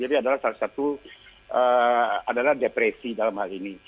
jadi adalah salah satu adalah depresi dalam hal ini